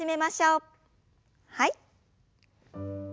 はい。